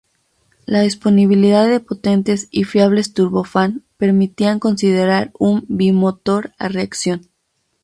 La disponibilidad de potentes y fiables turbofán permitían considerar un bimotor a reacción.